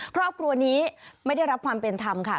ครอบครัวนี้ไม่ได้รับความเป็นธรรมค่ะ